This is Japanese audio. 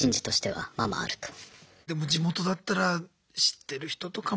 でも地元だったら知ってる人とかも。